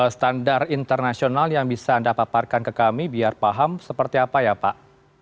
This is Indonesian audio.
standar internasional yang bisa anda paparkan ke kami biar paham seperti apa ya pak